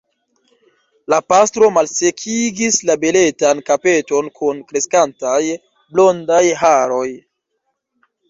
La pastro malsekigis la beletan kapeton kun kreskantaj blondaj haroj.